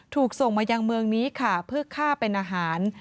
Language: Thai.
ถูกส่งมายังเมืองนี้ค่ะเพื่อฆ่าเป็นอาหาร